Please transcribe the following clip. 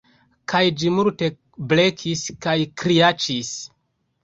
Kaj ĝi multe blekis kaj kriaĉis